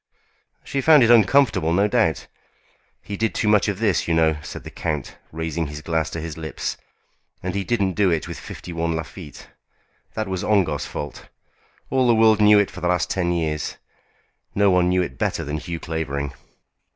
"She found it uncomfortable, no doubt. He did too much of this, you know," said the count, raising his glass to his lips; "and he didn't do it with 51 Lafitte. That was Ongar's fault. All the world knew it for the last ten years. No one knew it better than Hugh Clavering."